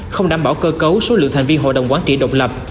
không đảm bảo cơ cấu số lượng thành viên hội đồng quán trị độc lập